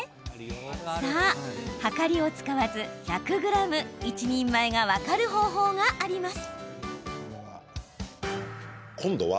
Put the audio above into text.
はかりを使わず１００ｇ一人前が分かる方法があります。